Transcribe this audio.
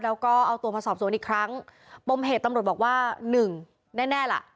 แล้วก็เอาตัวมาสอบสวนอีกครั้งปมเหตุตำรวจบอกว่าหนึ่งแน่แน่ล่ะ